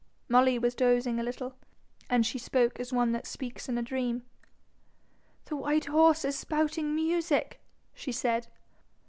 Molly was dozing a little, and she spoke as one that speaks in a dream. 'The white horse is spouting music,' she said.